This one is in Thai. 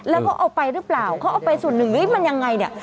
แล้วก็เอาไปหรือเปล่าเขาเอาไปส่วนหนึ่งมันยังไงเนี่ย